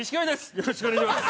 よろしくお願いします。